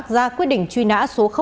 ra quyết định truy nã số năm